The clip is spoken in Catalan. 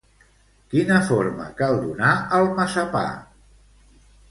Quina forma cal donar al massapà?